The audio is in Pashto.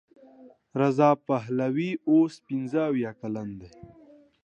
رضا پهلوي اوس پنځه اویا کلن دی.